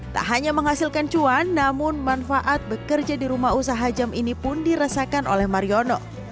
tak hanya menghasilkan cuan namun manfaat bekerja di rumah usaha jam ini pun dirasakan oleh mariono